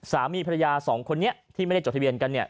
สามีภรรยาสองคนนี้ที่ไม่ได้จดทะเบียนกันเนี่ย